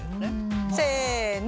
せの！